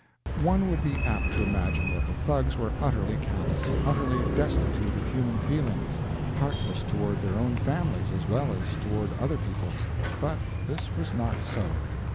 One would be apt to imagine that the Thugs were utterly callous, utterly destitute of human feelings, heartless toward their own families as well as toward other people's; but this was not so.